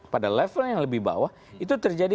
pada level yang lebih bawah itu terjadi